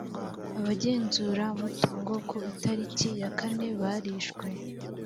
abagenzuramutungo ku itariki yakane barishwe